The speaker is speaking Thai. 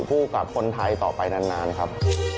คู่กับคนไทยต่อไปนานครับ